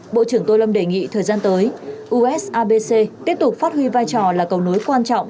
bộ trưởng tô lâm đề nghị thời gian tới usabc tiếp tục phát huy vai trò là cầu nối quan trọng